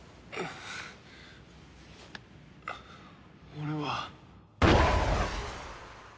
俺は。